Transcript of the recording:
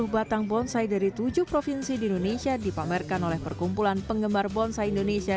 dua puluh batang bonsai dari tujuh provinsi di indonesia dipamerkan oleh perkumpulan penggemar bonsai indonesia